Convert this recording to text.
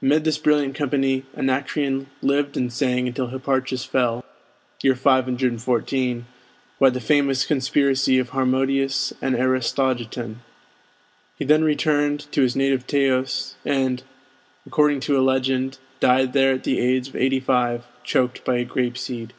Amid this brilliant company Anacreon lived and sang until Hipparchus fell (514) by the famous conspiracy of Harmodius and Aristogeiton. He then returned to his native Teos, and according to a legend, died there at the age of eighty five, choked by a grape seed.